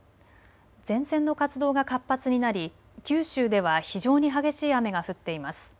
前線の活動が活発になり九州では非常に激しい雨が降っています。